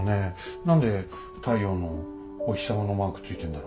何で太陽のお日様のマークついてんだろ。